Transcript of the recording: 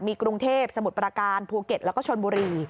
มีกรุงเทพสมุทรประการภูเก็ตแล้วก็ชนบุรี